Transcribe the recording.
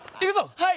はい！